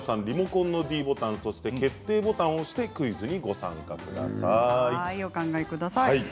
リモコンのｄボタンそして、決定ボタンを押してクイズにご参加ください。